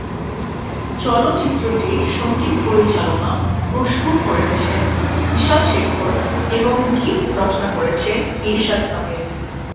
চলচ্চিত্রটির সঙ্গীত পরিচালনা ও সুর করেছেন বিশাল-শেখর এবং গীত রচনা করেছেন ইরশাদ কামিল।